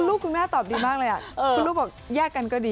ลูกคุณแม่ตอบดีมากเลยคุณลูกบอกแยกกันก็ดี